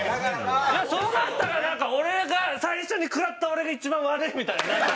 いやそうなったらなんか俺が最初に食らった俺が一番悪いみたいになってるの。